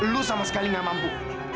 lu sama sekali nggak mampu